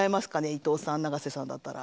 伊藤さん永瀬さんだったら。